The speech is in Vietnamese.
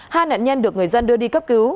hai nạn nhân được người dân đưa đi cấp cứu